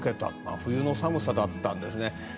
冬の寒さだったんですね。